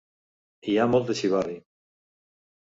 Hi ha molt de xivarri.